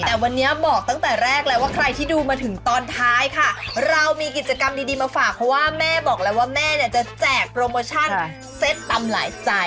แต่วันนี้บอกตั้งแต่แรกเลยว่าใครที่ดูมาถึงตอนท้ายค่ะเรามีกิจกรรมดีมาฝากเพราะว่าแม่บอกแล้วว่าแม่เนี่ยจะแจกโปรโมชั่นเซ็ตตำหลายใจ